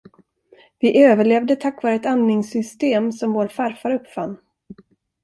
Vi överlevde tack vare ett andningssystem som vår farfar uppfann.